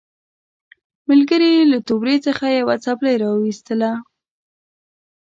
ملګري یې له توبرې څخه یوه څپلۍ راوایستله.